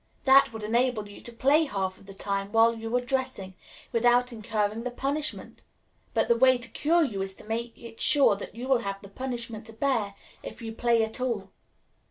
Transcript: That would enable you to play half of the time while you are dressing, without incurring the punishment; but the way to cure you is to make it sure that you will have the punishment to bear if you play at all."